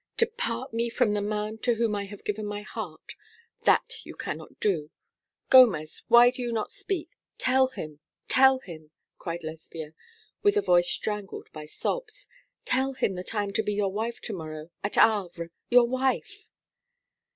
'To part me from the man to whom I have given my heart. That you cannot do. Gomez, why do you not speak? Tell him, tell him!' cried Lesbia, with a voice strangled by sobs; 'tell him that I am to be your wife to morrow, at Havre. Your wife!'